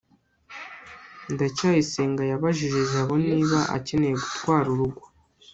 ndacyayisenga yabajije jabo niba akeneye gutwara urugo